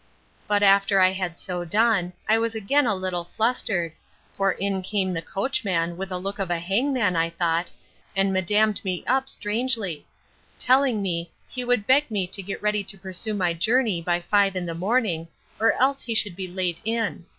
But after I had so done, I was again a little flustered; for in came the coachman with the look of a hangman, I thought, and madamed me up strangely; telling me, he would beg me to get ready to pursue my journey by five in the morning, or else he should be late in.